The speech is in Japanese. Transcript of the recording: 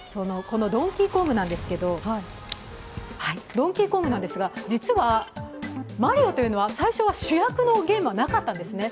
ドンキーコングなんですけど、実はマリオが最初は主役のゲームはなかったんですね。